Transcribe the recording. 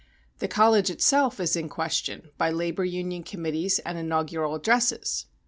The college itself is in question by labor union committees and inaugural addresses.